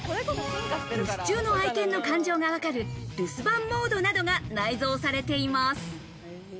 留守中の愛犬の感情がわかる留守番モードなどが内蔵されています。